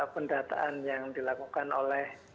pendataan yang dilakukan oleh